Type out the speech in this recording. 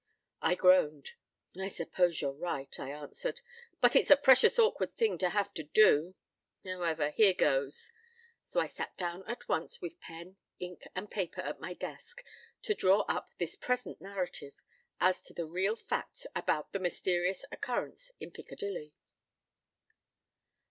p> I groaned. "I suppose you're right," I answered, "but it's a precious awkward thing to have to do. However, here goes." So I sat down at once with pen, ink, and paper at my desk, to draw up this present narrative as to the real facts about the "Mysterious Occurrence in Piccadilly."